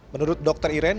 menurut dokter iren